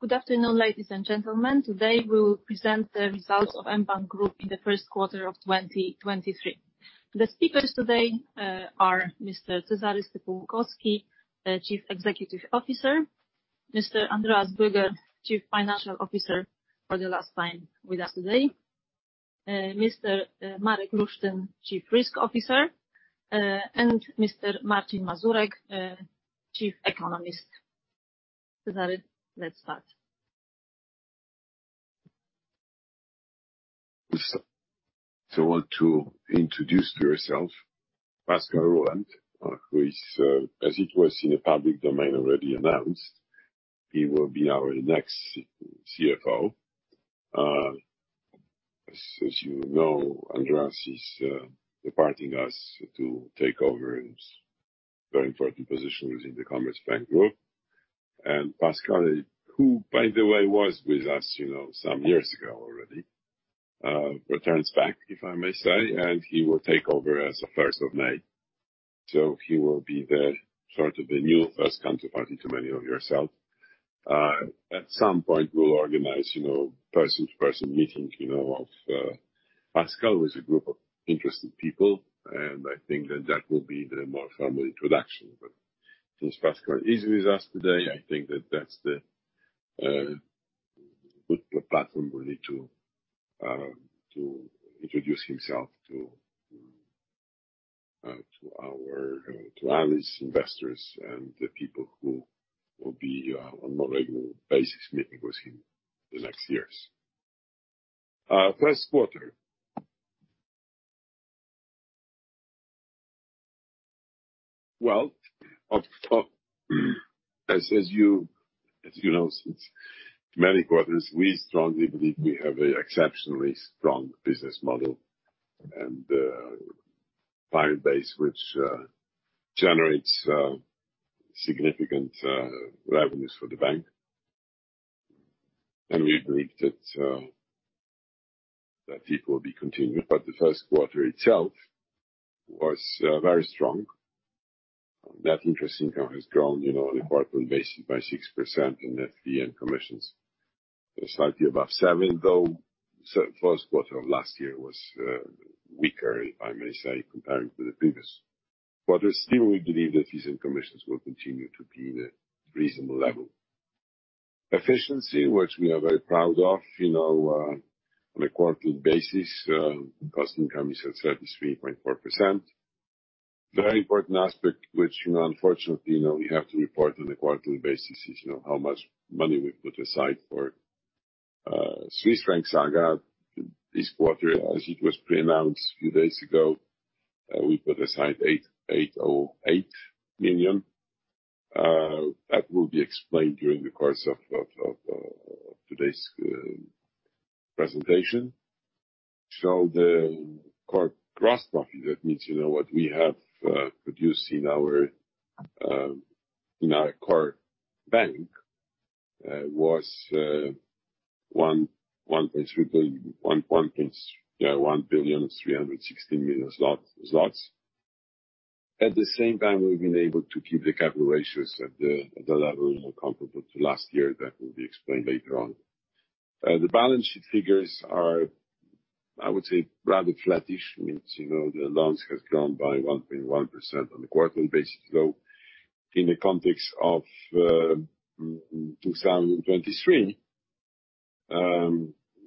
Good afternoon, ladies and gentlemen. Today, we will present the results of mBank Group in the first quarter of 2023. The speakers today, are Mr. Cezary Stypulkowski, the Chief Executive Officer; Mr. Andreas Böger, Chief Financial Officer, for the last time with us today; Mr. Marek Lusztyn, Chief Risk Officer; and Mr. Marcin Mazurek, Chief Economist. Cezary, let's start. I want to introduce to yourself, Pascal Ruhland, who is, as it was in the public domain already announced, he will be our next CFO. As you know, Andreas is departing us to take over his very important position within the Commerzbank Group. Pascal, who by the way was with us, you know, some years ago already, returns back, if I may say, and he will take over as of first of May. He will be sort of the new first counter-party to many of yourself. At some point we'll organize, you know, person to person meeting, you know, of Pascal with a group of interested people, and I think that that will be the more formal introduction. Since Pascal is with us today, I think that that's the good platform really to introduce himself to analysts, investors, and the people who will be on more regular basis meeting with him the next years. First quarter. Well, you know, since many quarters, we strongly believe we have a exceptionally strong business model and client base which generates significant revenues for the bank. We believe that it will be continued. The first quarter itself was very strong. Net interest income has grown, you know, on a quarterly basis by 6%, and net fee and commissions slightly above 7%, though first quarter of last year was weaker, if I may say, comparing to the previous. Still we believe that fees and commissions will continue to be in a reasonable level. Efficiency, which we are very proud of, you know, on a quarterly basis, cost income is at 33.4%. Very important aspect which, you know, unfortunately, you know, we have to report on a quarterly basis is, you know, how much money we've put aside for Swiss franc saga this quarter. As it was pre-announced a few days ago, we put aside 808 million that will be explained during the course of today's presentation. The core gross profit, that means, you know, what we have produced in our core bank, was 1,316 million zlotys. At the same time, we've been able to keep the capital ratios at the level, you know, comparable to last year. That will be explained later on. The balance sheet figures are, I would say rather flattish. Means, you know, the loans have grown by 1.1% on a quarterly basis, though in the context of 2023,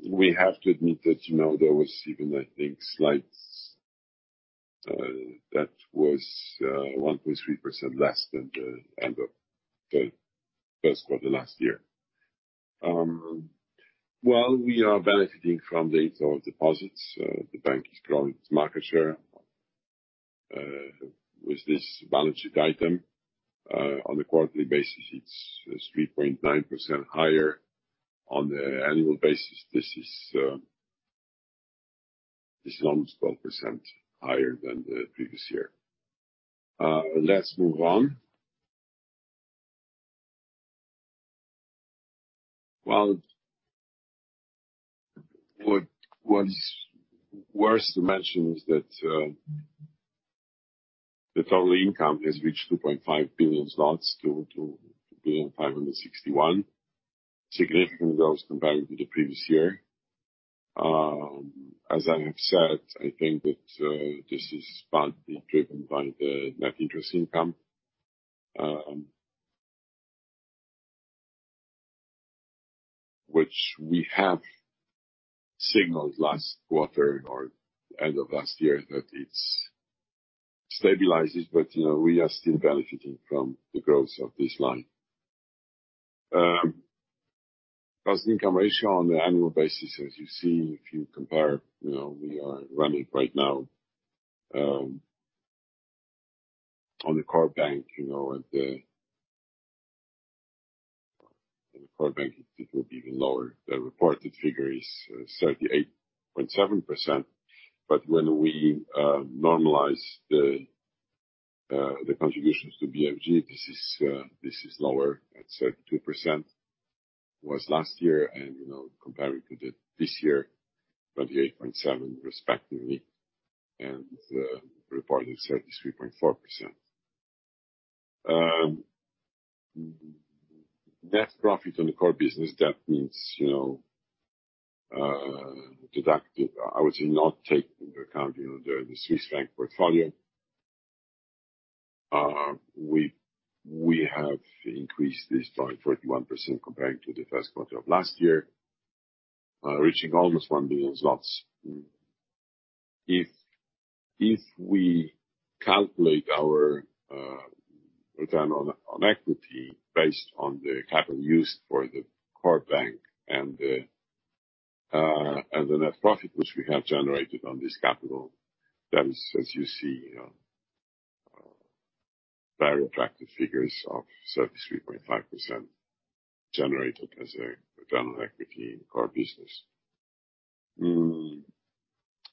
we have to admit that, you know, there was even I think slight that was 1.3% less than the end of the first quarter last year. Well, we are benefiting from the deposits. The bank is growing its market share with this balance sheet item. On a quarterly basis, it's 3.9% higher. On the annual basis, this is it's almost 12% higher than the previous year. Let's move on. What was worth to mention is that the total income has reached 2,561 million zlotys, significantly grows compared with the previous year. As I have said, I think that this is partly driven by the net interest income, which we have signaled last quarter or end of last year that it stabilizes, you know, we are still benefiting from the growth of this line. Cost income ratio on the annual basis, as you see, if you compare, you know, we are running right now on the core bank, you know, in the core bank it will be even lower. The reported figure is 38.7%. When we normalize the contributions to BFG, this is lower at 32% was last year and, comparing to this year, 28.7% respectively, and reporting 33.4%. Net profit on the core business, that means, deductive. I would not take into account the Swiss bank portfolio. We have increased this 41% comparing to the first quarter of last year, reaching almost 1 billion zlotys. If we calculate our return on equity based on the capital used for the core bank and the net profit which we have generated on this capital, that is as you see, very attractive figures of 33.5% generated as a return on equity in core business.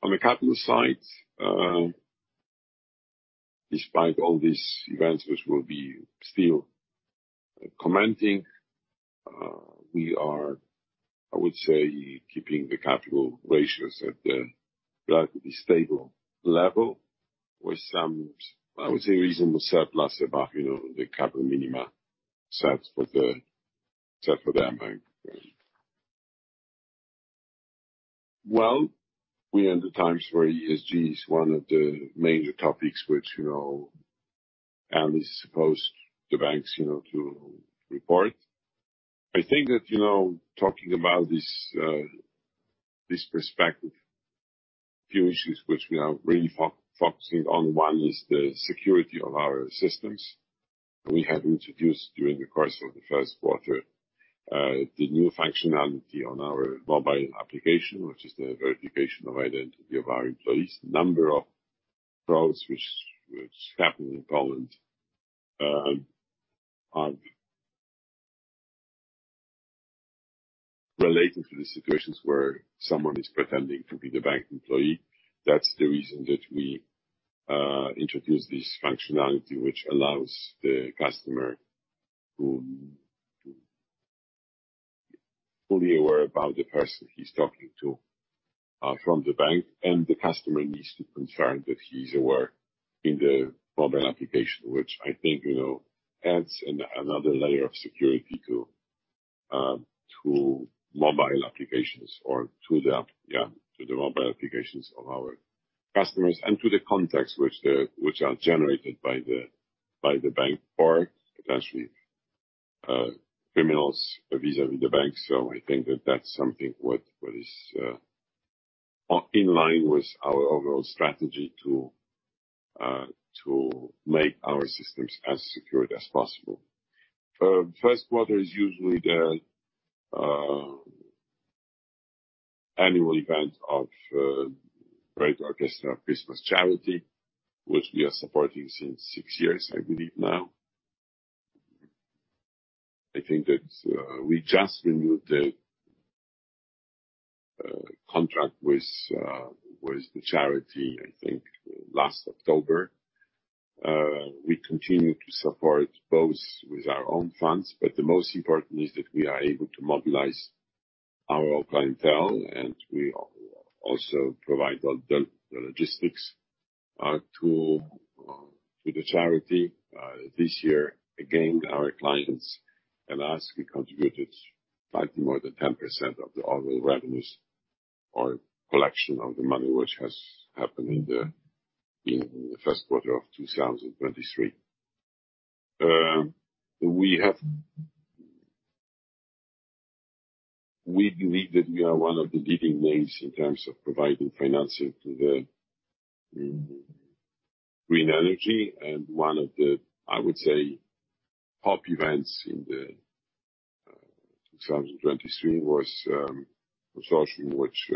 On the capital side, despite all these events which will be still commenting, we are, I would say, keeping the capital ratios at a relatively stable level with some, I would say reasonable surplus above, you know, the capital minima set for the mBank. Well, we are in the times where ESG is one of the major topics which, you know, is supposed the banks, you know, to report. I think that, you know, talking about this perspective, few issues which we are really focusing on, one is the security of our systems. We have introduced during the course of the first quarter, the new functionality on our mobile application, which is the verification of identity of our employees. Number of frauds which happen in Poland are relating to the situations where someone is pretending to be the bank employee. That's the reason that we introduced this functionality, which allows the customer to be fully aware about the person he's talking to from the bank, and the customer needs to confirm that he's aware in the mobile application, which I think, you know, adds another layer of security to mobile applications or to the mobile applications of our customers and to the contacts which are generated by the bank or potentially criminals vis-a-vis the bank. I think that that's something what is in line with our overall strategy to make our systems as secured as possible. First quarter is usually the annual event of Great Orchestra of Christmas Charity, which we are supporting since six years, I believe now. I think that we just renewed the contract with the charity, I think last October. We continue to support both with our own funds, but the most important is that we are able to mobilize our clientele, and we also provide the, the logistics to the charity. This year, again, our clients and us, we contributed slightly more than 10% of the overall revenues or collection of the money which has happened in the first quarter of 2023. We believe that we are one of the leading names in terms of providing financing to the green energy and one of the, I would say, top events in 2023 was consortium which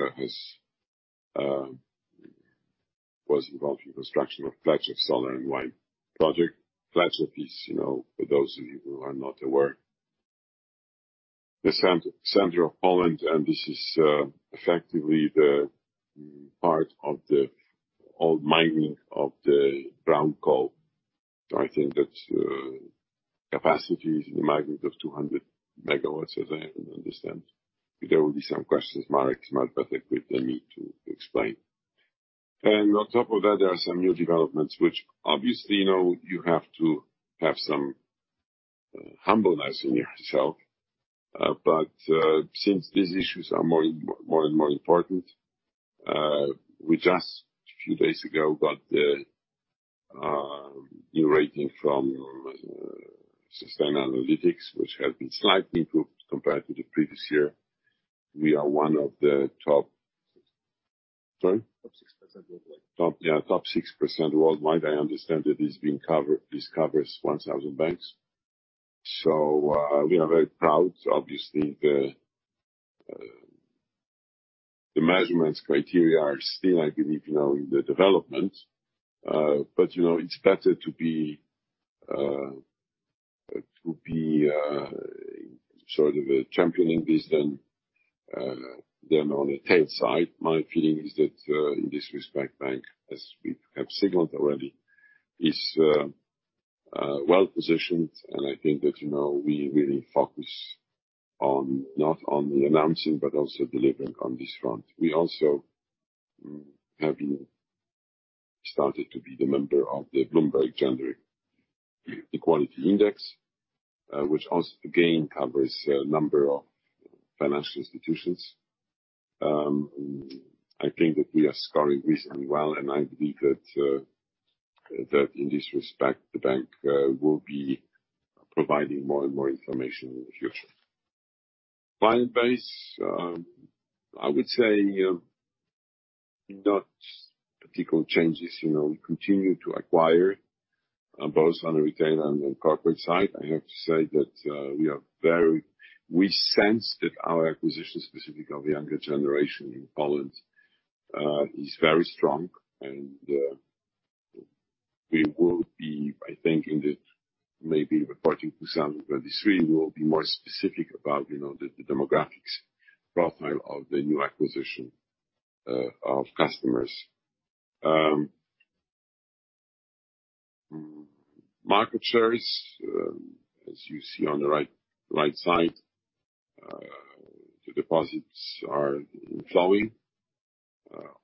was involved in construction of Kleczew Solar & Wind project. Kleczew is, for those of you who are not aware, the center of Poland, and this is effectively the part of the old mining of the brown coal. I think that capacity is in the magnitude of 200 MW, as I understand. If there will be some questions, Marek might better be equipped than me to explain. On top of that, there are some new developments which obviously you have to have some humbleness in yourself. Since these issues are more and more important, we just, few days ago, got the new rating from Sustainalytics, which has been slightly improved compared to the previous year. We are one of the top 6% worldwide. I understand that this being covered, this covers 1,000 banks. We are very proud. Obviously, the measurements criteria are still, I believe, you know, in the development. But you know, it's better to be, to be, sort of a champion in this than on the tail side. My feeling is that, in this respect, mBank, as we have signaled already, is well positioned, and I think that, you know, we really focus on not only announcing but also delivering on this front. We also have been started to be the member of the Bloomberg Gender-Equality Index, which also again covers a number of financial institutions. I think that we are scoring reasonably well, and I believe that in this respect, the bank will be providing more and more information in the future. Client base, I would say, not particular changes. You know, we continue to acquire both on the retail and the corporate side. I have to say that we sense that our acquisition, specifically of the younger generation in Poland, is very strong and we will be, I think, in the maybe reporting 2023, we will be more specific about, you know, the demographics profile of the new acquisition of customers. Market shares, as you see on the right side, the deposits are flowing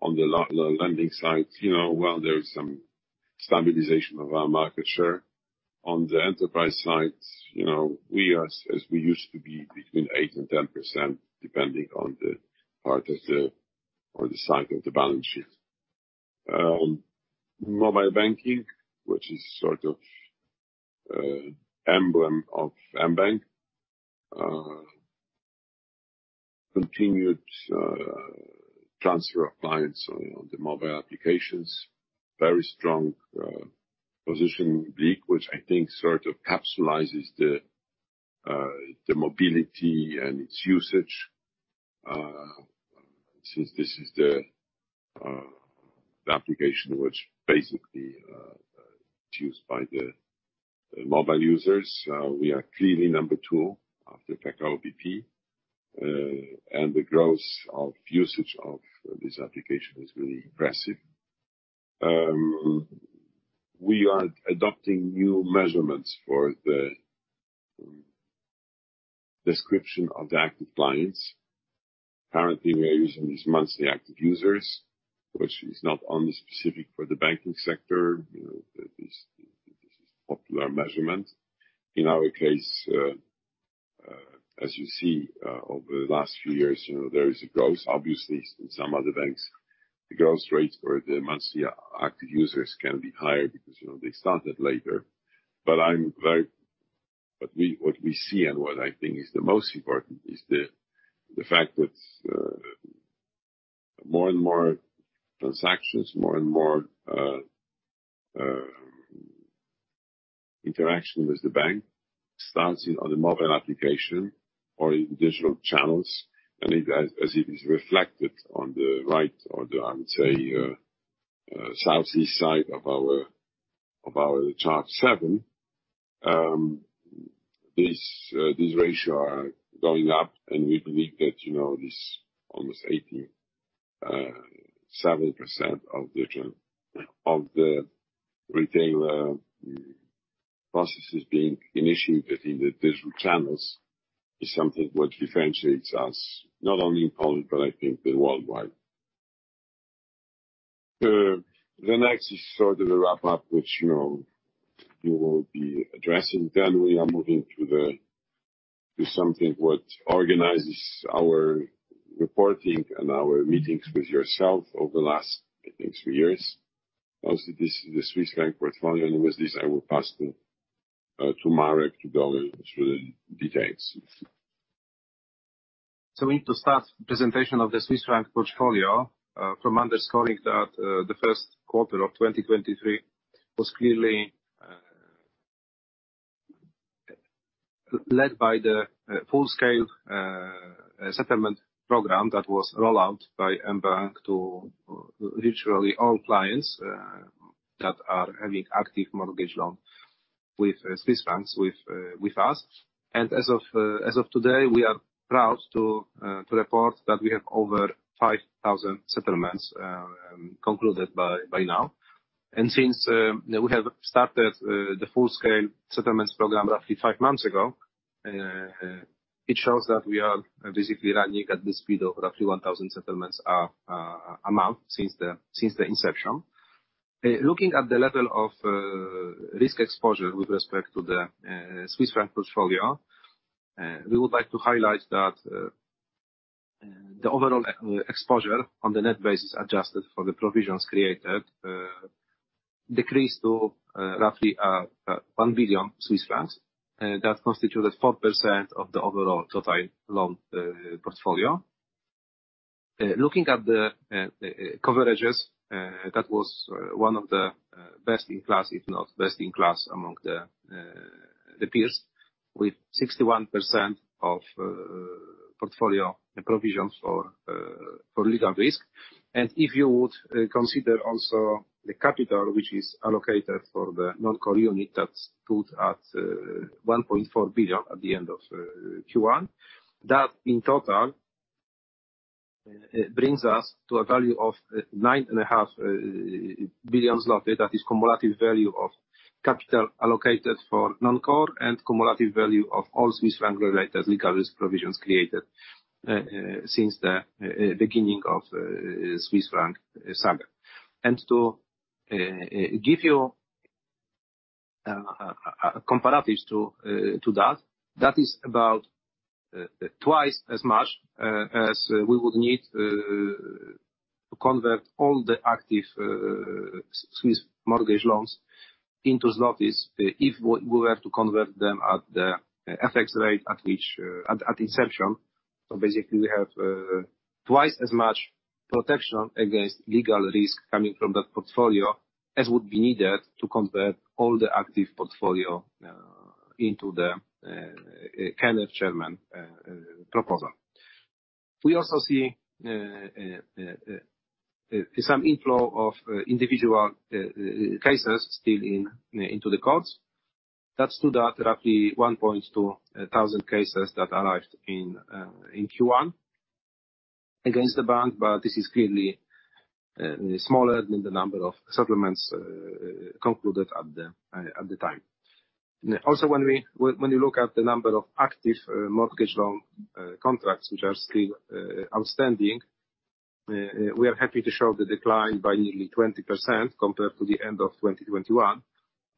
on the lending side. You know, while there is some stabilization of our market share. On the enterprise side, you know, we are as we used to be between 8% and 10%, depending on the part of the side of the balance sheet. Mobile banking, which is sort of emblem of mBank, continued transfer of clients on the mobile applications, very strong position in BLIK, which I think sort of capitalizes the mobility and its usage. Since this is the application which basically used by the mobile users, we are clearly number two after PKO BP, and the growth of usage of this application is really impressive. We are adopting new measurements for the description of the active clients. Currently, we are using these monthly active users, which is not only specific for the banking sector. You know, this is popular measurement. In our case, as you see over the last few years, you know, there is a growth. Obviously, in some other banks, the growth rates or the monthly active users can be higher because, you know, they started later. We, what we see and what I think is the most important is the fact that more and more transactions, more and more interaction with the bank starts on the mobile application or in digital channels. As it is reflected on the right or the, I would say, southeast side of our Chart 7, this ratio are going up. We believe that, you know, this almost 87% of the retail processes being initiated in the digital channels is something what differentiates us, not only in Poland, but I think the worldwide. The next is sort of the wrap up, which, you know, you will be addressing. We are moving to something what organizes our reporting and our meetings with yourself over the last, I think, few years. Also this is the Swiss franc portfolio. With this, I will pass to Marek to go through the details. We need to start presentation of the Swiss franc portfolio from underscoring that the first quarter of 2023 was clearly led by the full-scale settlement program that was rolled out by mBank to virtually all clients that are having active mortgage loan with Swiss francs with us. As of today, we are proud to report that we have over 5,000 settlements concluded by now. Since we have started the full-scale settlements program roughly five months ago, it shows that we are basically running at the speed of roughly 1,000 settlements a month since the inception. Looking at the level of risk exposure with respect to the Swiss franc portfolio, we would like to highlight that the overall exposure on the net basis adjusted for the provisions created decreased to roughly 1 billion Swiss francs. That constituted 4% of the overall total loan portfolio. Looking at the coverages, that was one of the best in class, if not best in class among the peers, with 61% of portfolio provisions for legal risk. If you would consider also the capital which is allocated for the non-core unit that's put at 1.4 billion at the end of Q1, that in total it brings us to a value of 9.5 billion zloty. That is cumulative value of capital allocated for non-core and cumulative value of all Swiss franc related legal risk provisions created since the beginning of Swiss franc saga. To give you a comparative to that is about twice as much as we would need to convert all the active Swiss mortgage loans into zlotys if we were to convert them at the FX rate at which at inception. Basically, we have twice as much protection against legal risk coming from that portfolio as would be needed to convert all the active portfolio into the KNF Chairman proposal. We also see some inflow of individual cases still into the courts. That's to the roughly 1,200 cases that arrived in Q1 against the bank. This is clearly smaller than the number of settlements concluded at the time. Also, when you look at the number of active mortgage loan contracts which are still outstanding, we are happy to show the decline by nearly 20% compared to the end of 2021.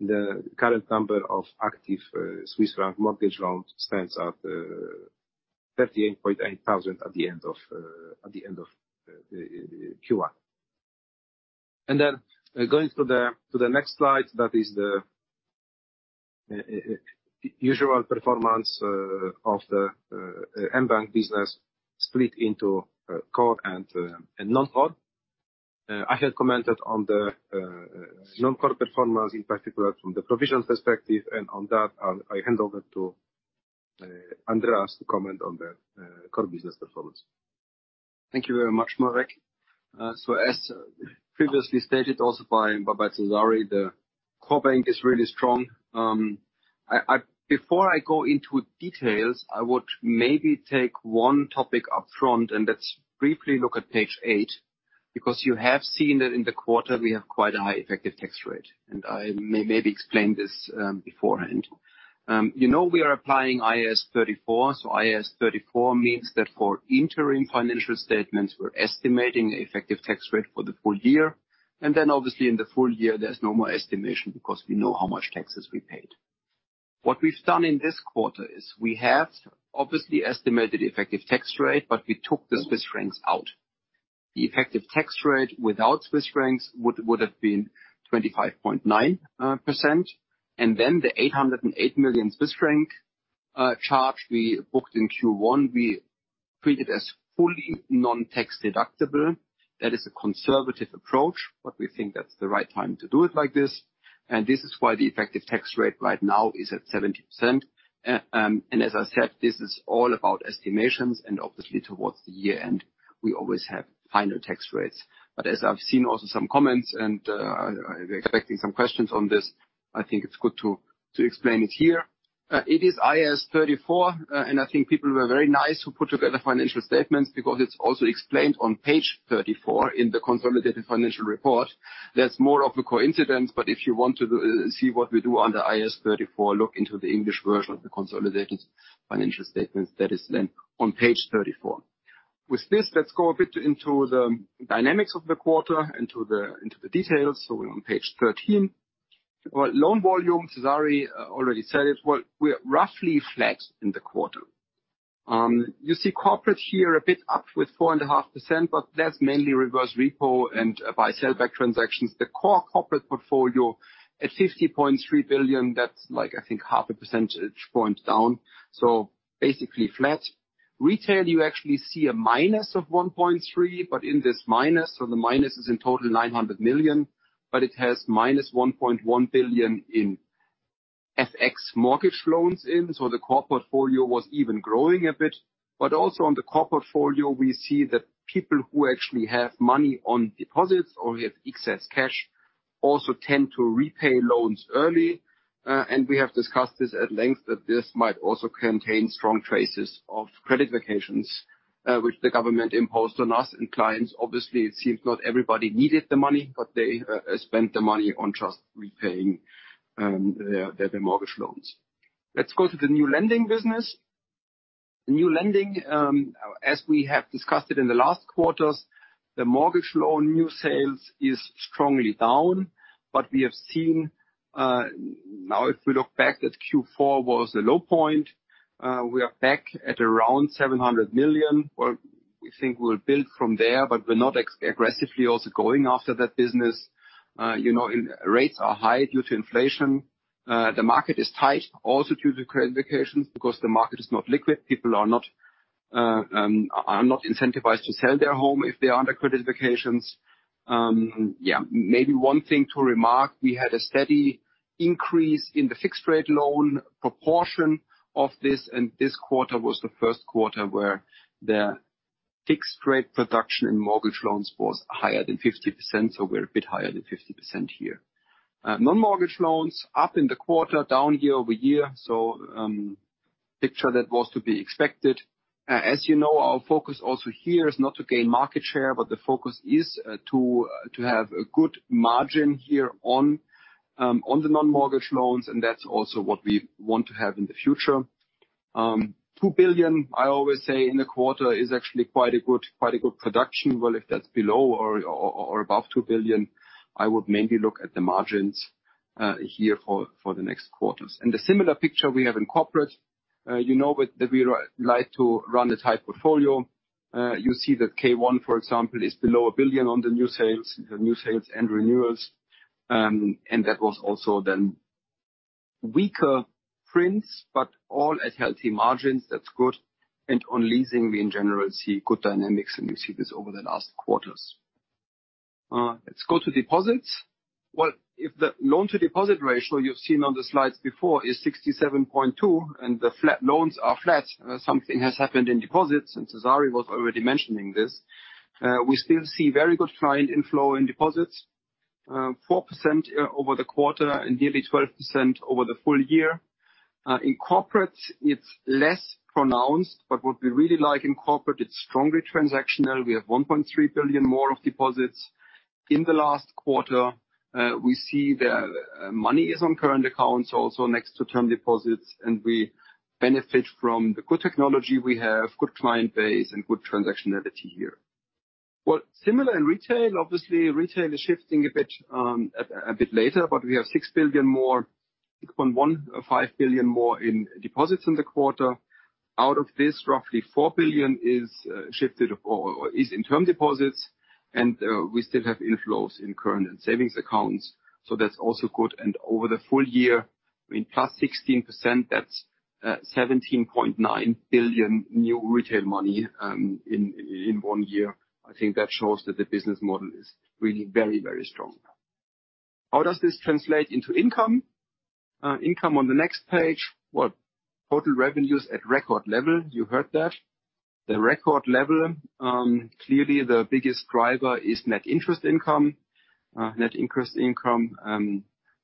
The current number of active Swiss franc mortgage loans stands at 38,800 at the end of Q1. Going to the next slide, that is the usual performance of the mBank business split into core and non-core. I had commented on the non-core performance, in particular from the provision perspective. On that, I hand over to Andreas to comment on the core business performance. Thank you very much, Marek. As previously stated also by Cezary, the core bank is really strong. Before I go into details, I would maybe take one topic upfront, let's briefly look at page 8, because you have seen that in the quarter we have quite a high effective tax rate, I may explain this beforehand. You know we are applying IAS 34. IAS 34 means that for interim financial statements, we're estimating the effective tax rate for the full year. Then obviously in the full year there's no more estimation because we know how much taxes we paid. What we've done in this quarter is we have obviously estimated effective tax rate, but we took the Swiss francs out. The effective tax rate without Swiss francs would have been 25.9%. The 808 million Swiss franc charge we booked in Q1, we treated as fully non-tax deductible. That is a conservative approach, we think that's the right time to do it like this. This is why the effective tax rate right now is at 70%. As I said, this is all about estimations, obviously towards the year end we always have final tax rates. As I've seen also some comments, we're expecting some questions on this, I think it's good to explain it here. It is IAS 34. I think people were very nice who put together financial statements because it's also explained on page 34 in the consolidated financial report. That's more of a coincidence, but if you want to see what we do under IAS 34, look into the English version of the consolidated financial statements. That is on page 34. With this, let's go a bit into the dynamics of the quarter, into the details. We're on page 13. Loan volume, Cezary already said it. We're roughly flat in the quarter. You see corporate here a bit up with 4.5%, but that's mainly reverse repo and buy-sell back transactions. The core corporate portfolio at 50.3 billion, that's like, I think, 0.5 percentage point down, so basically flat. Retail, you actually see a -1.3%, but in this minus, so the minus is in total -900 million, but it has -1.1 billion in FX mortgage loans in. The core portfolio was even growing a bit. Also on the core portfolio we see that people who actually have money on deposits or have excess cash also tend to repay loans early. We have discussed this at length, that this might also contain strong traces of credit holidays, which the government imposed on us and clients. Obviously, it seems not everybody needed the money, but they spent the money on just repaying their mortgage loans. Let's go to the new lending business. The new lending, as we have discussed it in the last quarters, the mortgage loan new sales is strongly down. We have seen, now if we look back at Q4 was the low point, we are back at around 700 million, or we think we'll build from there. We're not aggressively also going after that business. You know, rates are high due to inflation. The market is tight also due to credit vacations because the market is not liquid. People are not incentivized to sell their home if they are under credit vacations. Yeah, maybe one thing to remark, we had a steady increase in the fixed rate loan proportion of this, and this quarter was the first quarter where the fixed rate production in mortgage loans was higher than 50%. We're a bit higher than 50% here. Non-mortgage loans up in the quarter, down year-over-year. Picture that was to be expected. As you know, our focus also here is not to gain market share, but the focus is to have a good margin here on the non-mortgage loans, and that's also what we want to have in the future. 2 billion, I always say in the quarter is actually quite a good production. Well, if that's below or above 2 billion, I would mainly look at the margins here for the next quarters. The similar picture we have in corporate. You know that we like to run a tight portfolio. You see that K1, for example, is below 1 billion on the new sales and renewals. That was also then weaker prints, but all at healthy margins. That's good. On leasing, we in general see good dynamics, and you see this over the last quarters. Let's go to deposits. If the loan to deposit ratio you've seen on the slides before is 67.2% and the flat loans are flat, something has happened in deposits, and Cezary was already mentioning this. We still see very good client inflow in deposits. 4% over the quarter and nearly 12% over the full year. In corporate it's less pronounced, but what we really like in corporate, it's strongly transactional. We have 1.3 billion more of deposits. In the last quarter, we see the money is on current accounts also next to term deposits, and we benefit from the good technology we have, good client base and good transactionality here. Similar in retail. Obviously, retail is shifting a bit later. We have 6 billion more, 6.15 billion more in deposits in the quarter. Out of this, roughly 4 billion is shifted or is in term deposits, and we still have inflows in current and savings accounts. That's also good. Over the full year, I mean, +16%, that's 17.9 billion new retail money in one year. I think that shows that the business model is really very, very strong. How does this translate into income? Income on the next page. Total revenues at record level. You heard that. The record level, clearly the biggest driver is net interest income. Net interest income,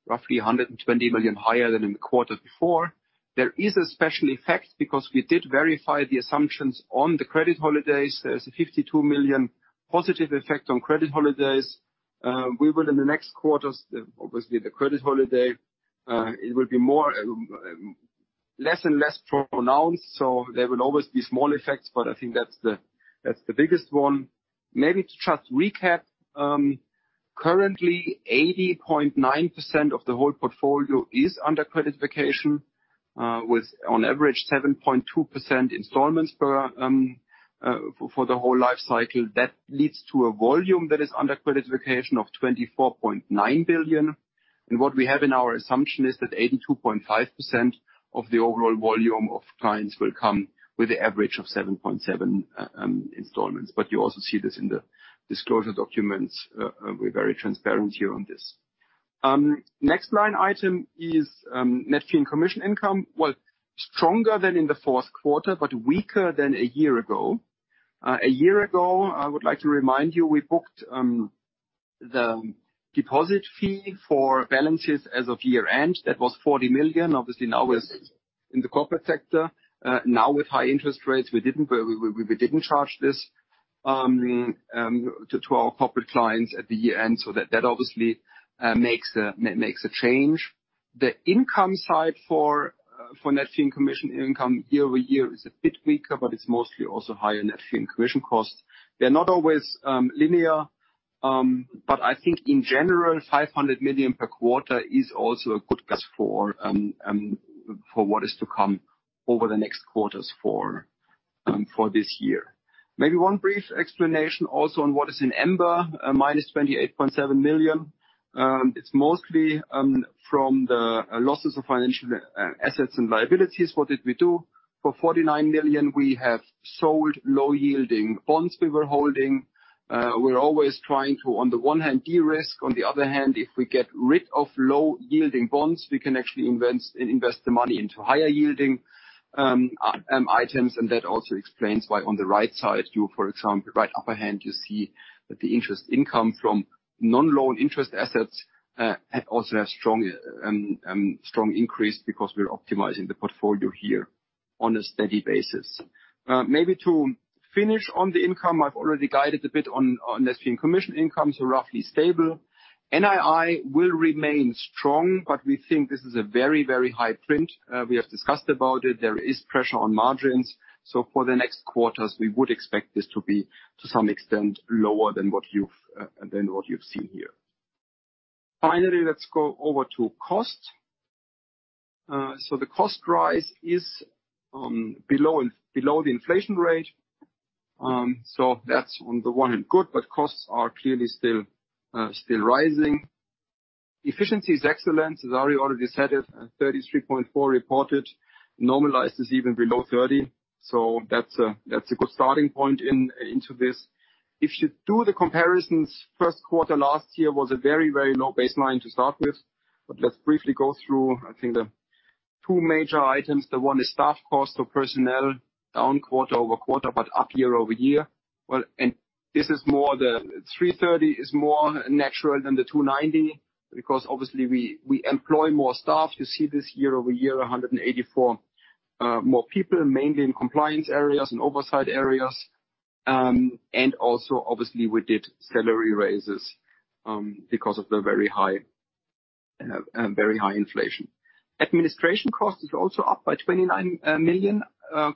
roughly 120 million higher than in the quarter before. There is a special effect because we did verify the assumptions on the credit holidays. There's a 52 million positive effect on credit holidays. We will in the next quarters, obviously the credit holiday, it will be more less and less pronounced, so there will always be small effects, but I think that's the, that's the biggest one. Maybe to just recap, currently 80.9% of the whole portfolio is under credit vacation, with on average 7.2% installments per for the whole life cycle. That leads to a volume that is under credit vacation of 24.9 billion. What we have in our assumption is that 82.5% of the overall volume of clients will come with an average of 7.7 installments. You also see this in the disclosure documents. We're very transparent here on this. Next line item is net fee and commission income. Well, stronger than in the fourth quarter, but weaker than a year ago. A year ago, I would like to remind you, we booked the deposit fee for balances as of year-end. That was 40 million. Obviously now in the corporate sector. Now with high interest rates, we didn't charge this to our corporate clients at the year-end. That, that obviously makes a change. The income side for net fee and commission income year-over-year is a bit weaker, but it's mostly also higher net fee and commission costs. They're not always linear. I think in general, 500 million per quarter is also a good guess for what is to come over the next quarters for this year. Maybe one brief explanation also on what is in EMBA, -28.7 million. It's mostly from the losses of financial assets and liabilities. What did we do? For 49 million, we have sold low-yielding bonds we were holding. We're always trying to, on the one hand, de-risk. On the other hand, if we get rid of low-yielding bonds, we can actually invest the money into higher yielding items. That also explains why on the right side you, for example, right upper hand, you see that the interest income from non-loan interest assets also have strong increase because we're optimizing the portfolio here on a steady basis. Maybe to finish on the income, I've already guided a bit on net fee and commission income, roughly stable. NII will remain strong, but we think this is a very, very high print. We have discussed about it. There is pressure on margins. For the next quarters, we would expect this to be, to some extent, lower than what you've than what you've seen here. Finally, let's go over to cost. The cost rise is below the inflation rate. That's on the one hand, good, but costs are clearly still rising. Efficiency is excellent. Cezary already said it, 33.4% reported. Normalized is even below 30%. That's a good starting point into this. If you do the comparisons, first quarter last year was a very, very low baseline to start with. Let's briefly go through, I think Two major items. The one is staff cost or personnel down quarter-over-quarter, but up year-over-year. This is more 330 million is more natural than 290 million, because obviously we employ more staff. You see this year-over-year, 184 more people, mainly in compliance areas and oversight areas. Obviously we did salary raises because of the very high inflation. Administration cost is also up by 29 million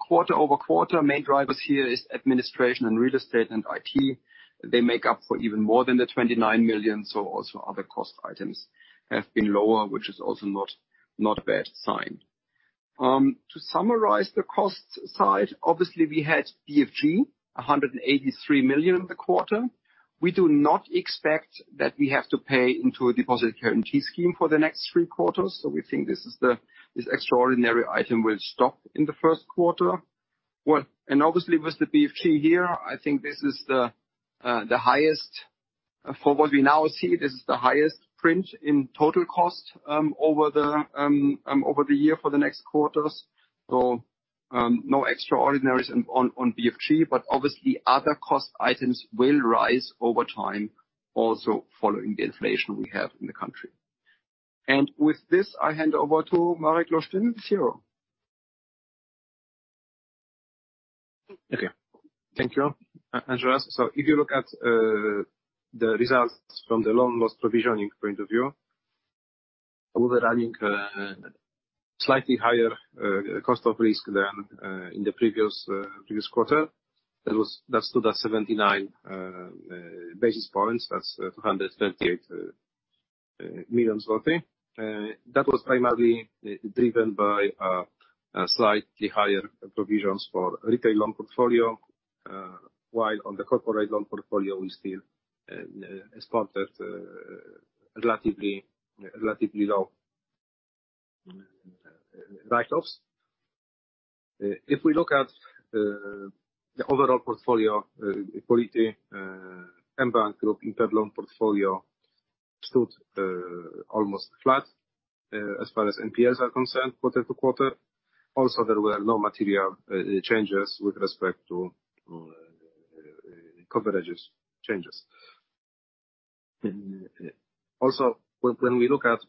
quarter-over-quarter. Main drivers here is administration and real estate and IT. They make up for even more than the 29 million, also other cost items have been lower, which is also not a bad sign. To summarize the cost side, obviously we had BFG, 183 million in the quarter. We do not expect that we have to pay into a deposit guarantee scheme for the next three quarters. We think this extraordinary item will stop in the first quarter. Obviously with the BFG here, I think this is the highest for what we now see, this is the highest print in total cost over the year for the next quarters. No extraordinaries on BFG, but obviously other cost items will rise over time also following the inflation we have in the country. With this, I hand over to Marek Lusztyn. Okay. Thank you, Andreas. If you look at the results from the loan loss provisioning point of view, we were running slightly higher cost of risk than in the previous quarter. That stood at 79 basis points. That's 238 million. That was primarily driven by a slightly higher provisions for retail loan portfolio. While on the corporate loan portfolio, we still sponsored relatively low write-offs. If we look at the overall portfolio quality, mBank Group interloan portfolio stood almost flat as far as NPLs are concerned, quarter-to-quarter. Also, there were no material changes with respect to coverages changes. When we look at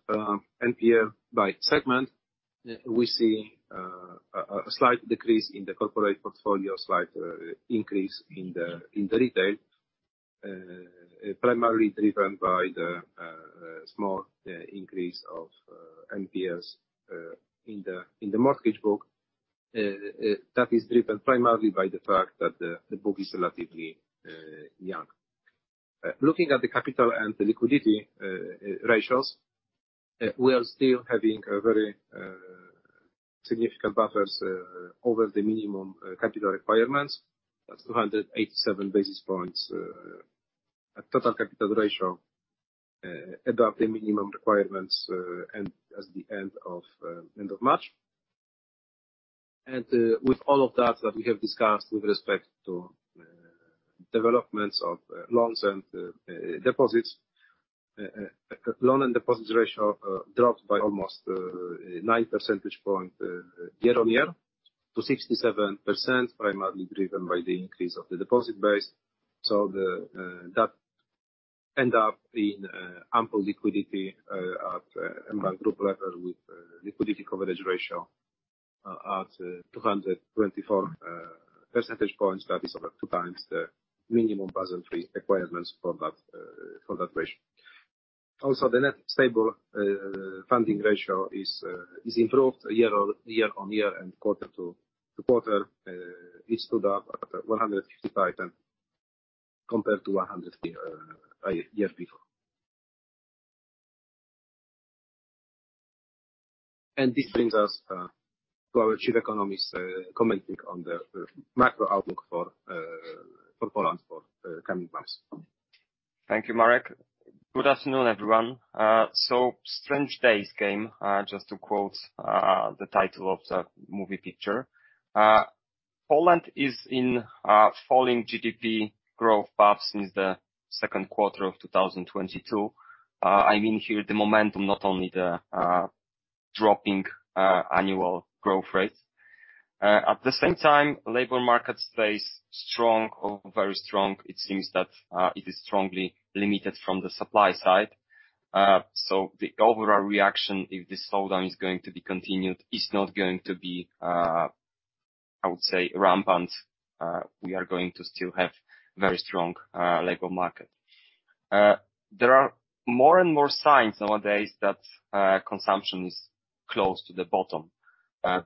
NPL by segment, we see a slight decrease in the corporate portfolio, slight increase in the retail. Primarily driven by the small increase of NPLs in the mortgage book. That is driven primarily by the fact that the book is relatively young. Looking at the capital and the liquidity ratios, we are still having a very significant buffers over the minimum capital requirements. That's 287 basis points total capital ratio above the minimum requirements and as the end of March. With all of that we have discussed with respect to developments of loans and deposits. Loan and deposit ratio dropped by almost 9 percentage point year-on-year to 67%, primarily driven by the increase of the deposit base. that end up in ample liquidity at mBank Group level with liquidity coverage ratio at 224 percentage points. That is over two times the minimum Basel III requirements for that for that ratio. Also the net stable funding ratio is improved year-on-year and quarter-to-quarter. it stood up at 155% then, compared to 100 the year before. this brings us to our Chief Economist commenting on the macro outlook for Poland for coming months. Thank you, Marek. Good afternoon, everyone. Strange Days came, just to quote the title of the movie picture. Poland is in a falling GDP growth path since the second quarter of 2022. I mean here the momentum, not only the dropping annual growth rates. At the same time, labor market stays strong or very strong. It seems that it is strongly limited from the supply side. The overall reaction, if this slowdown is going to be continued, is not going to be, I would say rampant. We are going to still have very strong labor market. There are more and more signs nowadays that consumption is close to the bottom.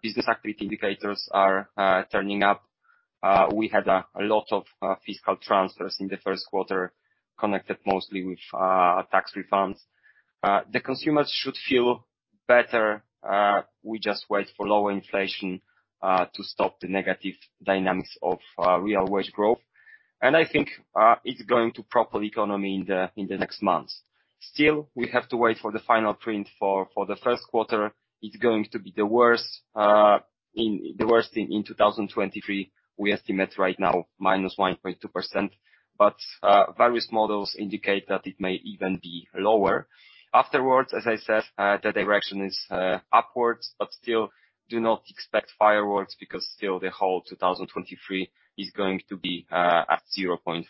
Business activity indicators are turning up. We had a lot of fiscal transfers in the first quarter, connected mostly with tax refunds. The consumers should feel better. We just wait for lower inflation to stop the negative dynamics of real wage growth. I think it's going to propel economy in the next months. Still, we have to wait for the final print for the first quarter. It's going to be the worst in 2023. We estimate right now -1.2%. Various models indicate that it may even be lower. Afterwards, as I said, the direction is upwards, but still do not expect fireworks because still the whole 2023 is going to be at 0.4%,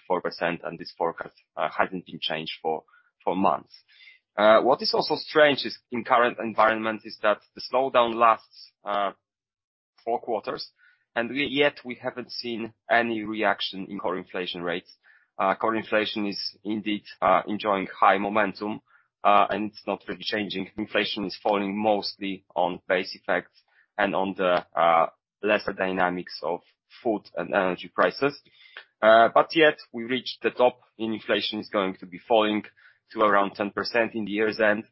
and this forecast hasn't been changed for months. What is also strange is in current environment is that the slowdown lasts, four quarters and yet we haven't seen any reaction in core inflation rates. Core inflation is indeed enjoying high momentum, and it's not really changing. Inflation is falling mostly on base effects and on the lesser dynamics of food and energy prices. Yet we reached the top in inflation is going to be falling to around 10% in the year's end.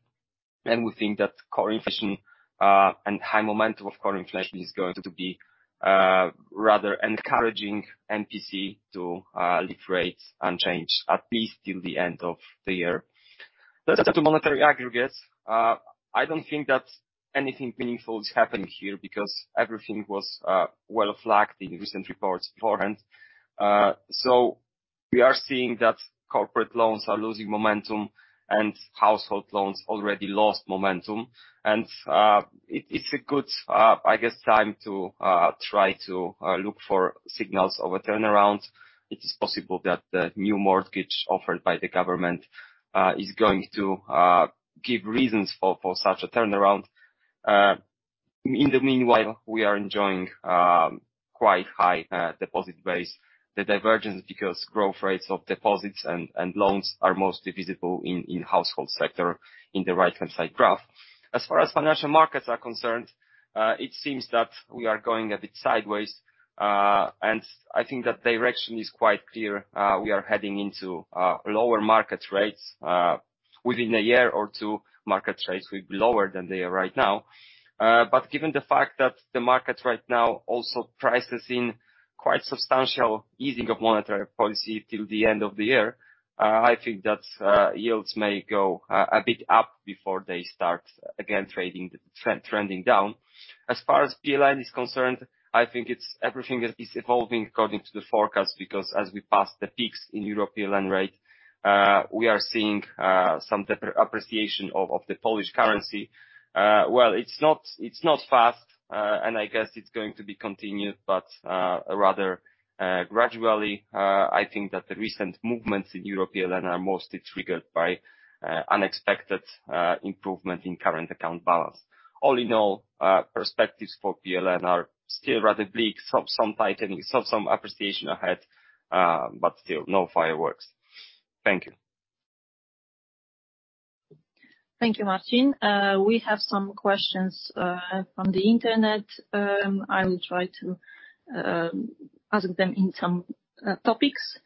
We think that core inflation and high momentum of core inflation is going to be rather encouraging MPC to leave rates unchanged, at least till the end of the year. Let's look to monetary aggregates. I don't think that anything meaningful is happening here because everything was well flagged in recent reports beforehand. We are seeing that corporate loans are losing momentum and household loans already lost momentum. It's a good, I guess, time to try to look for signals of a turnaround. It is possible that the new mortgage offered by the government is going to give reasons for such a turnaround. In the meanwhile, we are enjoying quite high deposit base. The divergence because growth rates of deposits and loans are mostly visible in household sector in the right-hand side graph. As far as financial markets are concerned, it seems that we are going a bit sideways. I think that direction is quite clear. We are heading into lower market rates. Within a year or two, market rates will be lower than they are right now. Given the fact that the market right now also prices in quite substantial easing of monetary policy till the end of the year, I think that yields may go a bit up before they start again trading, trend-trending down. As far as PLN is concerned, I think everything is evolving according to the forecast because as we pass the peaks in European land rate, we are seeing some better appreciation of the Polish currency. Well, it's not fast, and I guess it's going to be continued, but rather gradually. I think that the recent movements in European land are mostly triggered by unexpected improvement in current account balance. All in all, perspectives for PLN are still rather bleak. Some tightening, some appreciation ahead, but still no fireworks. Thank you. Thank you, Marcin. We have some questions from the Internet. I will try to ask them in some topics.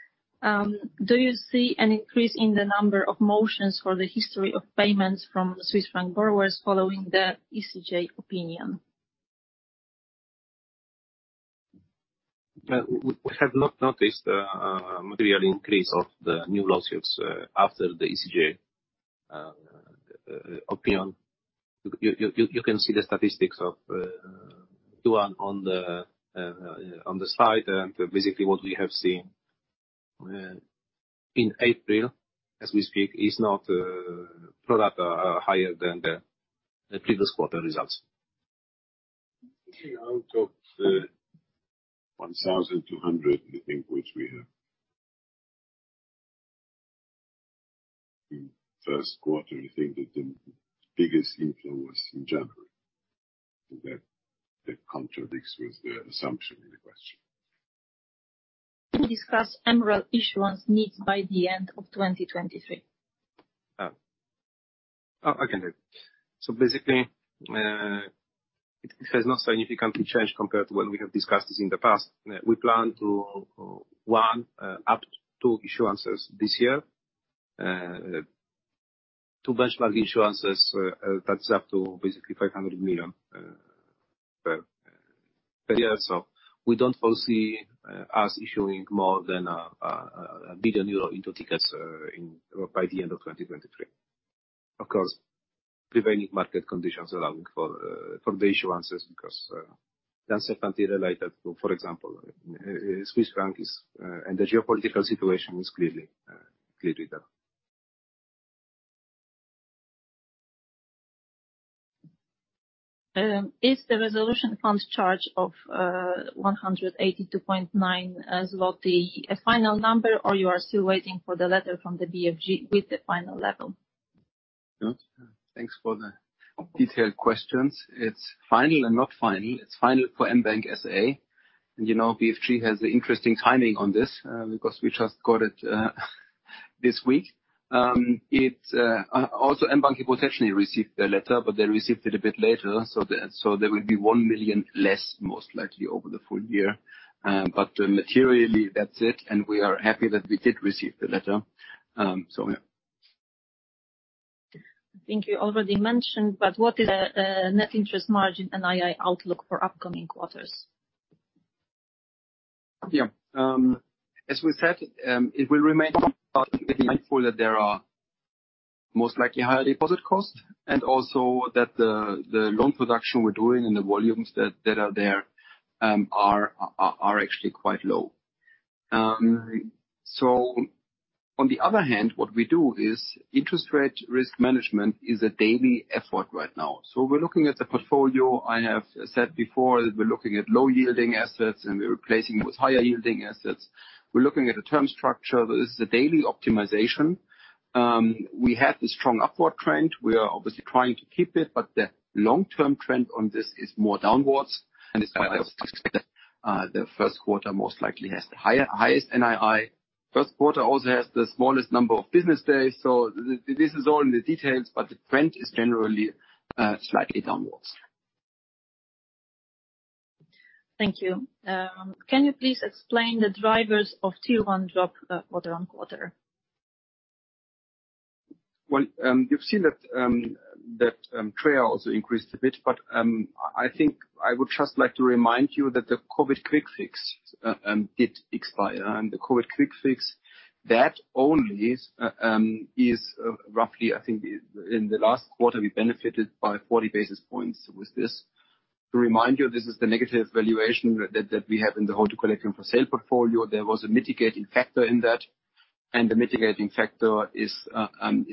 Do you see an increase in the number of motions for the history of payments from Swiss franc borrowers following the ECJ opinion? We have not noticed a material increase of the new lawsuits after the ECJ opinion. You can see the statistics of on the slide. Basically what we have seen in April, as we speak, is not product higher than the previous quarter results. Okay. Out of the 1,200, I think, which we have in first quarter, I think that the biggest inflow was in January. That contradicts with the assumption in the question. Can you discuss MREL issuance needs by the end of 2023? I can do it. Basically, it has not significantly changed compared to when we have discussed this in the past. We plan to one up to insurances this year. Two benchmark insurances, that's up to basically 500 million per year. We don't foresee us issuing more than 1 billion euro into tickets in by the end of 2023. Of course, prevailing market conditions allowing for for the insurances because they are separately related to, for example, Swiss franc is and the geopolitical situation is clearly there. Is the resolution funds charge of 182.9 million zloty a final number or you are still waiting for the letter from the BFG with the final level? Good. Thanks for the detailed questions. It's final and not final. It's final for mBank S.A. You know, BFG has interesting timing on this, because we just got it this week. It's also mBank potentially received the letter, but they received it a bit later. There will be 1 million less, most likely over the full year. Materially, that's it. We are happy that we did receive the letter. Yeah. I think you already mentioned, but what is net interest margin NII outlook for upcoming quarters? Yeah. As we said, it will remain that there are most likely higher deposit costs and also that the loan production we're doing and the volumes that are there, are actually quite low. On the other hand, what we do is interest rate risk management is a daily effort right now. We're looking at the portfolio. I have said before that we're looking at low-yielding assets, and we're replacing with higher-yielding assets. We're looking at the term structure. This is a daily optimization. We have a strong upward trend. We are obviously trying to keep it, but the long-term trend on this is more downwards. That's why I also expect that the first quarter most likely has the highest NII. First quarter also has the smallest number of business days. This is all in the details, but the trend is generally slightly downwards. Thank you. Can you please explain the drivers of Tier 1 drop, quarter-on-quarter? You've seen that trail also increased a bit, I think I would just like to remind you that the CRR quick fix did expire. The CRR quick fix, that only is roughly, I think, in the last quarter we benefited by 40 basis points with this. To remind you, this is the negative valuation that we have in the hold-to-collect-and-sell portfolio. There was a mitigating factor in that, the mitigating factor is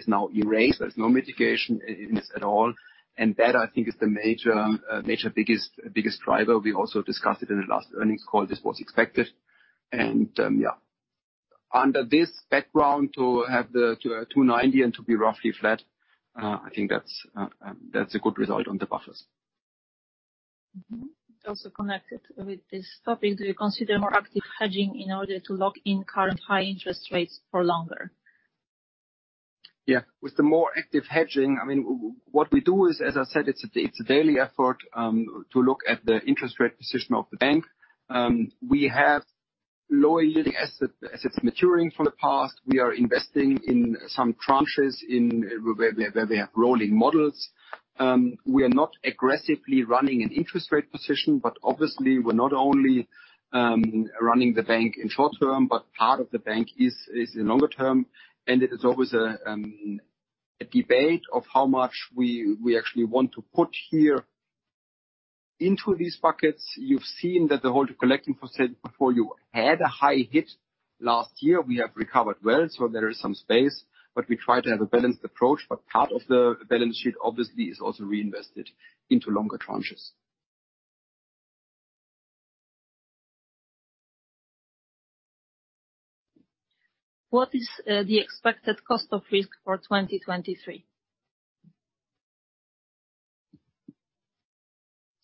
now erased. There's no mitigation in this at all. That, I think, is the major biggest driver. We also discussed it in the last earnings call. This was expected. Under this background, to have the 2.290 billion and to be roughly flat, I think that's a good result on the buffers. Also connected with this topic. Do you consider more active hedging in order to lock in current high interest rates for longer? Yeah. With the more active hedging, I mean, what we do is, as I said, it's a daily effort to look at the interest rate position of the bank. We have low-yielding assets maturing from the past. We are investing in some tranches where we have rolling models. We are not aggressively running an interest rate position, but obviously we're not only running the bank in short term, but part of the bank is in longer term. It is always a debate of how much we actually want to put here into these buckets. You've seen that the hold to collect and for sale portfolio had a high hit last year. We have recovered well, so there is some space, but we try to have a balanced approach. Part of the balance sheet obviously is also reinvested into longer tranches. What is the expected cost of risk for 2023?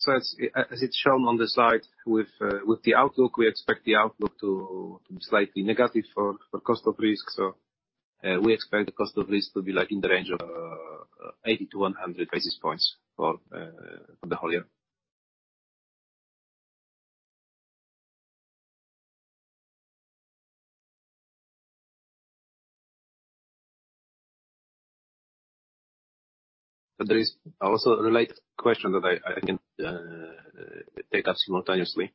As it's shown on the slide with the outlook, we expect the outlook to be slightly negative for cost of risk. We expect the cost of risk to be like in the range of 80-100 basis points for the whole year. There is also a related question that I can take up simultaneously,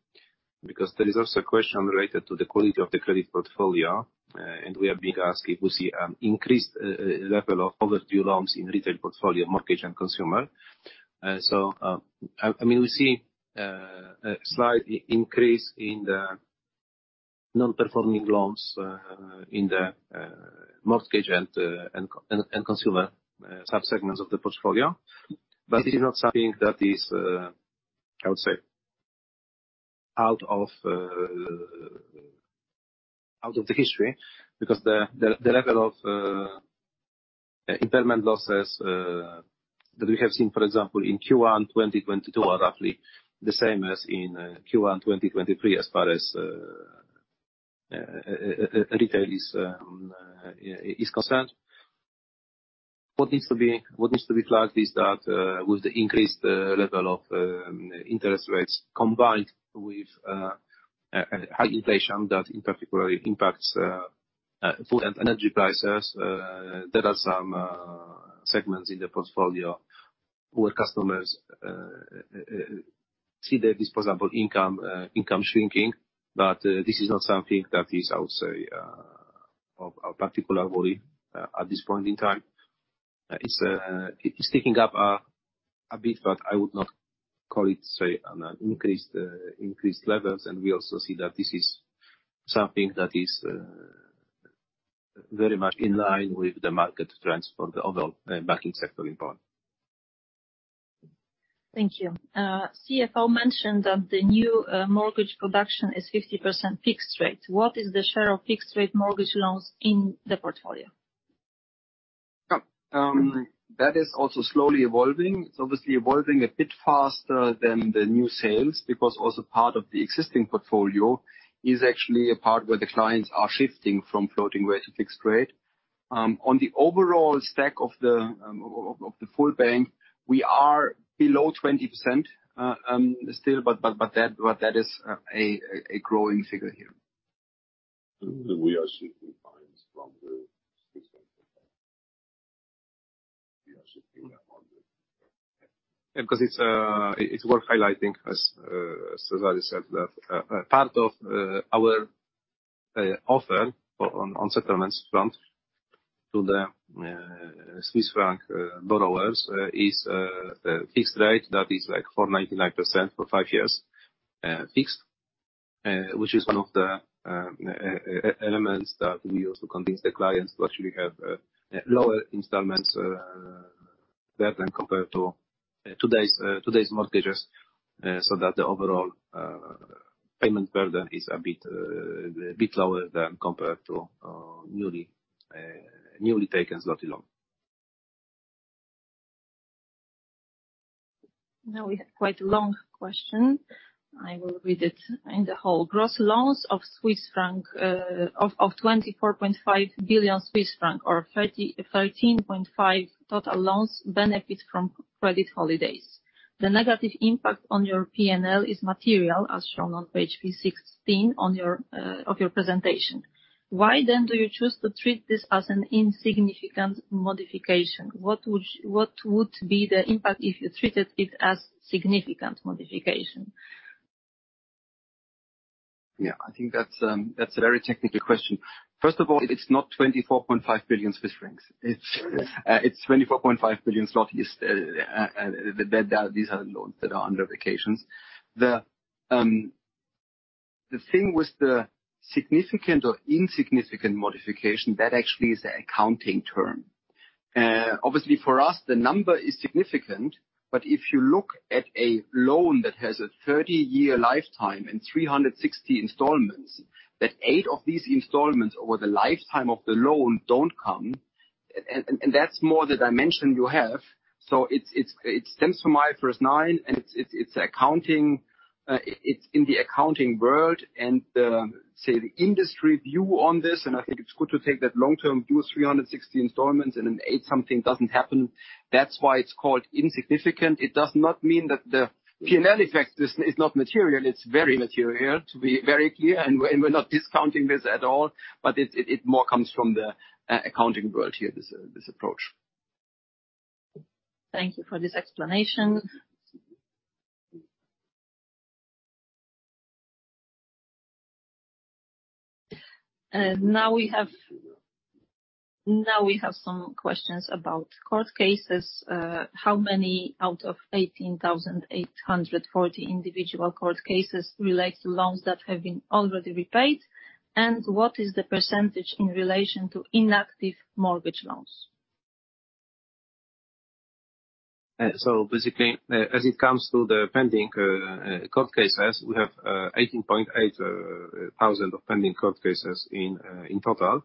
because there is also a question related to the quality of the credit portfolio. We are being asked if we see an increased level of overdue loans in retail portfolio, mortgage, and consumer. I mean, we see a slight increase in the non-performing loans in the mortgage and consumer sub-segments of the portfolio. This is not something that is, I would say out of the history, because the level of impairment losses that we have seen, for example, in Q1 2022, are roughly the same as in Q1 2023 as far as retail is concerned. What needs to be flagged is that with the increased level of interest rates combined with high inflation that in particular impacts food and energy prices, there are some segments in the portfolio where customers see their disposable income shrinking. This is not something that is, I would say, of a particular worry at this point in time. It's ticking up, a bit, but I would not call it, say, an increased levels. We also see that this is something that is, very much in line with the market trends for the overall banking sector in Poland. Thank you. CFO mentioned that the new mortgage production is 50% fixed rate. What is the share of fixed rate mortgage loans in the portfolio? That is also slowly evolving. It's obviously evolving a bit faster than the new sales because also part of the existing portfolio is actually a part where the clients are shifting from floating rate to fixed rate. On the overall stack of the full bank, we are below 20% still, but that is a growing figure here. We are seeing Because it's worth highlighting, as Cezary said that part of our offer on settlements front to the Swiss franc borrowers is a fixed rate that is like 4.99% for 5 years fixed. Which is one of the elements that we use to convince the clients to actually have lower installments there when compared to today's today's mortgages, so that the overall payment burden is a bit lower than compared to newly newly taken zloty loan. We have quite a long question. I will read it in the whole. Gross loans of Swiss franc, of 24.5 billion Swiss franc or 13.5% total loans benefit from credit holidays. The negative impact on your P&L is material as shown on Page V16 of your presentation. Why do you choose to treat this as an insignificant modification? What would be the impact if you treated it as significant modification? Yeah. I think that's a very technical question. First of all, it's not 24.5 billion Swiss francs. It's 24.5 billion zlotys. These are loans that are under credit holidays. The thing with the significant or insignificant modification, that actually is an accounting term. Obviously for us the number is significant, but if you look at a loan that has a 30-year lifetime and 360 installments, that eight of these installments over the lifetime of the loan don't come, and that's more the dimension you have. It stems from IFRS 9 and it's accounting. It's in the accounting world and the, say, the industry view on this. I think it's good to take that long term, do 360 installments and then eight something doesn't happen. That's why it's called insignificant. It does not mean that the P&L effect is not material. It's very material, to be very clear. We're not discounting this at all. It more comes from the accounting world here, this approach. Thank you for this explanation. now we have some questions about court cases. how many out of 18,840 individual court cases relate to loans that have been already repaid? What is the percentage in relation to inactive mortgage loans? Basically, as it comes to the pending court cases, we have 18.8 thousand of pending court cases in total.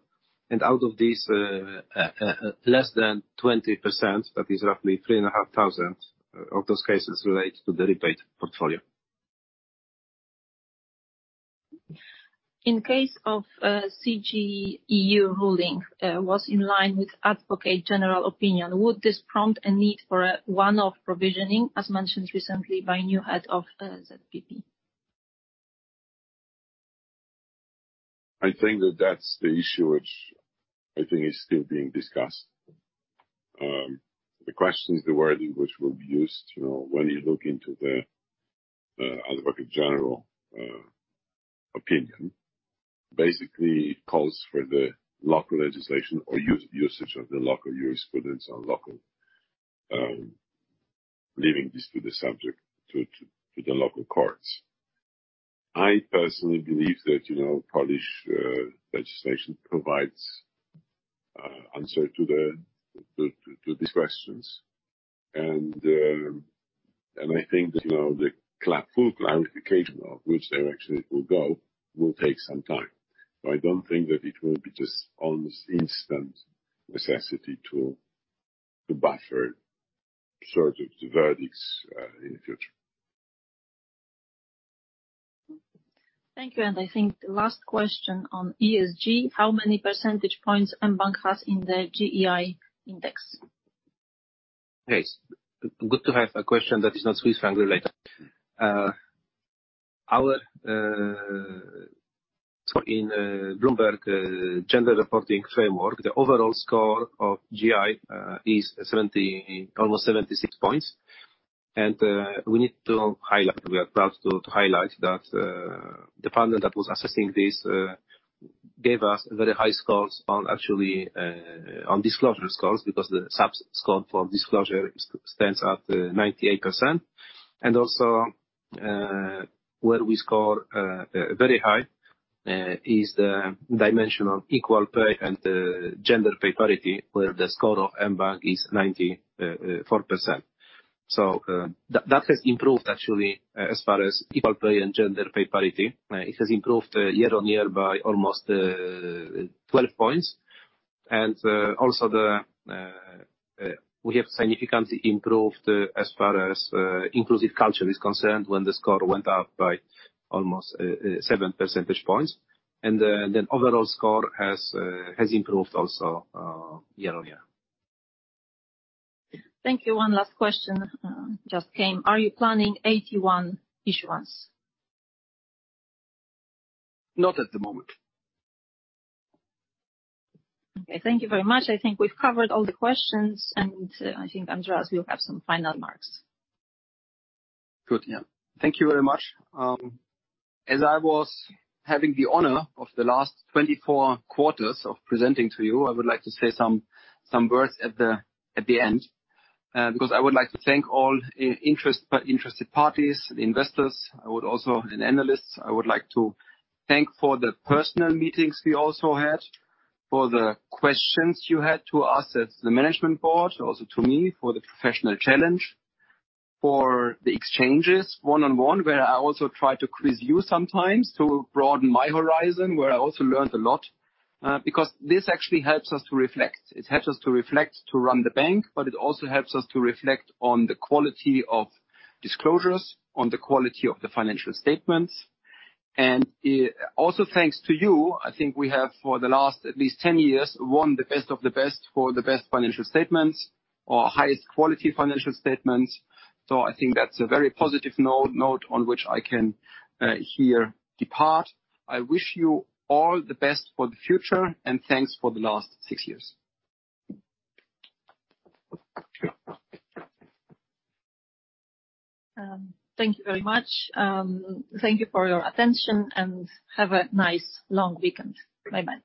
Out of these, less than 20%, that is roughly 3.5 thousand of those cases relate to the repaid portfolio. In case of CJEU ruling was in line with Advocate General opinion, would this prompt a need for a one-off provisioning as mentioned recently by new head of ZBP? I think that that's the issue which I think is still being discussed. The question is the wording which will be used. You know, when you look into the Advocate General opinion, basically it calls for the local legislation or usage of the local jurisprudence or local leaving this to the subject to the local courts. I personally believe that, you know, Polish legislation provides answer to these questions. I think that, you know, the full clarification of which direction it will go will take some time. I don't think that it will be just almost instant necessity to buffer sort of the verdicts in the future. Thank you. I think the last question on ESG: How many percentage points mBank has in the GEI index? Yes. Good to have a question that is not Swiss franc related. In Bloomberg gender reporting framework, the overall score of GEI is almost 76 points. We need to highlight, we are proud to highlight that the panel that was assessing this gave us very high scores on actually on disclosure scores because the sub-score for disclosure stands at 98%. Also, where we score very high is the dimension of equal pay and gender pay parity, where the score of mBank is 94%. That has improved actually, as far as equal pay and gender pay parity. It has improved year-over-year by almost 12 points. Also the, we have significantly improved as far as inclusive culture is concerned, when the score went up by almost 7 percentage points. The overall score has improved also, year-on-year. Thank you. One last question, just came. Are you planning AT1 issuance? Not at the moment. Okay. Thank you very much. I think we've covered all the questions, and I think Andreas will have some final remarks. Good. Yeah. Thank you very much. as I was having the honor of the last 24 quarters of presenting to you, I would like to say some words at the end, because I would like to thank all interested parties, the investors. Analysts. I would like to thank for the personal meetings we also had, for the questions you had to us as the management board, also to me, for the professional challenge, for the exchanges one-on-one, where I also try to quiz you sometimes to broaden my horizon, where I also learned a lot. This actually helps us to reflect. It helps us to reflect to run the bank, but it also helps us to reflect on the quality of disclosures, on the quality of the financial statements. Also thanks to you, I think we have for the last at least 10 years won the best of the best for the best financial statements or highest quality financial statements. I think that's a very positive note on which I can here depart. I wish you all the best for the future, and thanks for the last six years. Thank you very much. Thank you for your attention, and have a nice long weekend. Bye-bye.